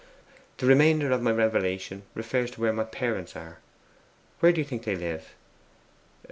The remainder of my revelation refers to where my parents are. Where do you think they live?